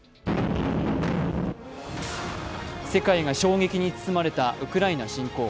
世界が衝撃に包まれたウクライナ侵攻。